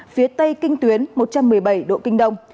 phía tây kinh tuyến một trăm một mươi bảy độ kinh đông